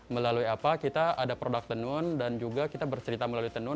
melalui apa kita ada produk tenun dan juga kita bercerita melalui tenun